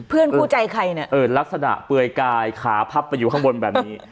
คู่ใจใครเนี่ยเออลักษณะเปลือยกายขาพับไปอยู่ข้างบนแบบนี้